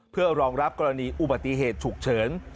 เพื่อรองรับกรณีอุบัติเหตุฉุกเฉิน